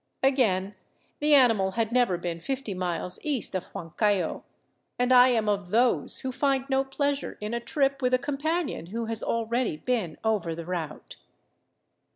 Again, the animal had never been fifty miles east of Huancayo ; and I am of those who find no pleasure in a trip with a companion who has already been over the route.